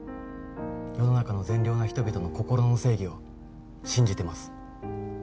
世の中の善良な人々の心の正義を信じてます